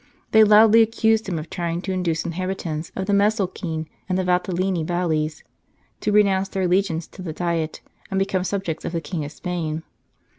They loudly accused him of trying to induce inhabitants of the Mesolcine and Valtellini Valleys to renounce their allegiance to the Diet and become subjects of the King of Spain.